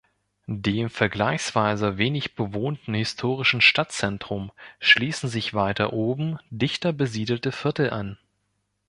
Dem vergleichsweise wenig bewohnten historischen Stadtzentrum schließen sich weiter oben dichter besiedelte Viertel an.